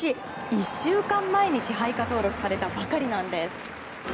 １週間前に支配下登録されたばかりなんです。